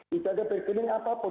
bisa ada bergening apapun